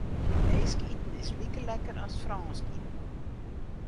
Sjineesk iten is like lekker as Frânsk iten.